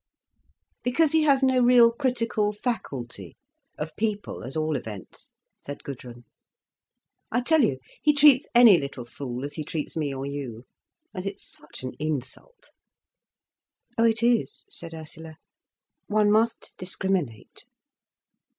"Because he has no real critical faculty—of people, at all events," said Gudrun. "I tell you, he treats any little fool as he treats me or you—and it's such an insult." "Oh, it is," said Ursula. "One must discriminate."